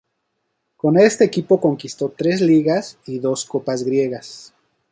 Con este equipo conquistó tres Ligas y dos Copas griegas.